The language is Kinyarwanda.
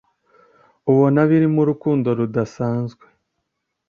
ubona birimo urukundo rudasanzwe